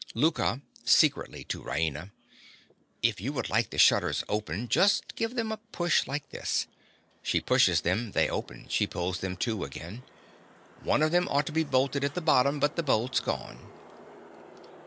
_) LOUKA. (secretly, to Raina). If you would like the shutters open, just give them a push like this. (She pushes them: they open: she pulls them to again.) One of them ought to be bolted at the bottom; but the bolt's gone.